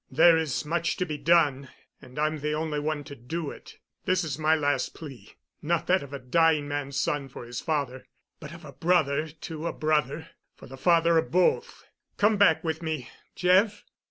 There is much to be done, and I'm the only one to do it. This is my last plea—not that of a dying man's son for his father, but of a brother to a brother for the father of both. Come back with me—Jeff.